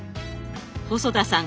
細田さん